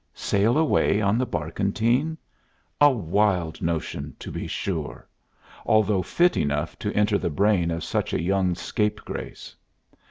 Sail away on the barkentine? A wild notion, to be sure! although fit enough to enter the brain of such a young scape grace.